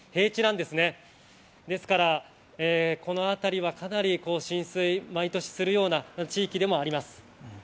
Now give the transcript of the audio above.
ですから、このあたりは浸水、毎年するような地域ではあります。